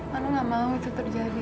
kamu gak mau itu terjadi